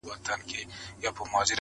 ژوند له امید نه ښایسته کېږي.